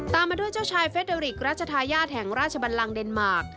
มาด้วยเจ้าชายเฟสเดอริกรัชทายาทแห่งราชบันลังเดนมาร์ค